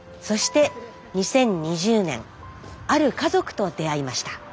そして２０２０年ある家族と出会いました。